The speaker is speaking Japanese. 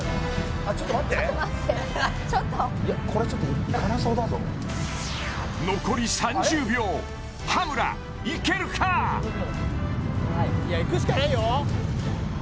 あっちょっと待ってちょっとこれちょっといかなそうだぞ残り３０秒いやいくしかないよ